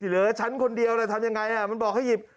เหลือฉันคนเดียวแล้วทำยังไงมันบอกให้หยิบ